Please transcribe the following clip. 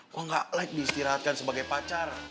gue gak like diistirahatkan sebagai pacar